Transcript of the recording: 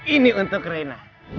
ini untuk rena